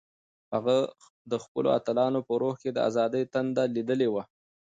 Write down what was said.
هغه د خپلو اتلانو په روح کې د ازادۍ تنده لیدلې وه.